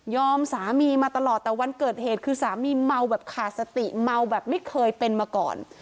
สามีมาตลอดแต่วันเกิดเหตุคือสามีเมาแบบขาดสติเมาแบบไม่เคยเป็นมาก่อน